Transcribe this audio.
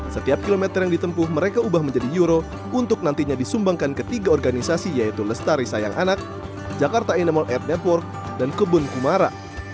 setiap kilometer yang ditempuh mereka ubah menjadi euro untuk nantinya disumbangkan ke tiga organisasi yaitu lestari sayang anak jakarta animal aid network dan kebun kumara